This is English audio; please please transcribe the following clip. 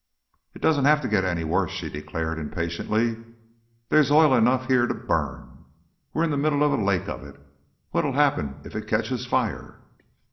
"It doesn't have to get any worse," she declared, im patiently. "There's oil enough here to burn. We're in the middle of a lake of it. What 'll happen if it catches fire?"